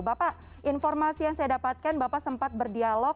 bapak informasi yang saya dapatkan bapak sempat berdialog